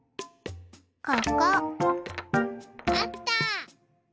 ここ。あった。